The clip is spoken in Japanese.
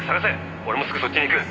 「俺もすぐそっちに行く」